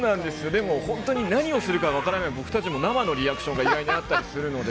でも本当に、何をするのか分からない、僕たちも生のリアクションが意外にあったりするので。